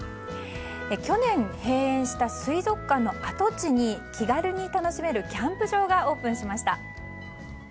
去年、閉園した水族館の跡地に気軽に楽しめるキャンプ場がオープンしました。